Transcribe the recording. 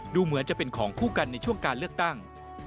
ดูเหมือนจะเป็นของคู่กันในช่วงการเลือกตั้ง